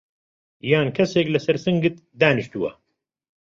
یان کەسێک لەسەر سنگت دانیشتووه؟